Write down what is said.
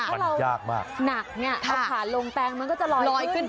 เพราะเราหนักเนี่ยเอาขาลงแตงมันก็จะลอยขึ้น